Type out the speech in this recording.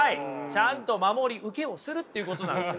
ちゃんと守り受けをするっていうことなんです。